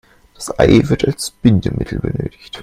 Das Ei wird als Bindemittel benötigt.